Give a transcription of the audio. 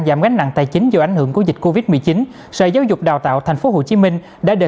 giảm nặng tài chính do ảnh hưởng của dịch covid một mươi chín sở giáo dục đào tạo tp hcm đã đề